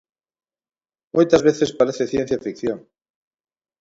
Moitas veces parece ciencia ficción.